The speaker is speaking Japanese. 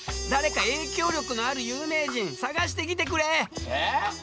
誰か影響力のある有名人探してきてくれ！え！